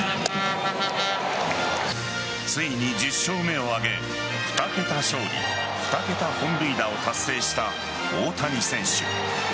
ついに１０勝目を挙げ２桁勝利、２桁本塁打を達成した大谷選手。